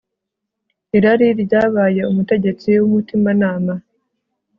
Irari ryabaye umutegetsi wumutimanama